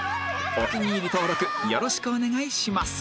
お気に入り登録よろしくお願いします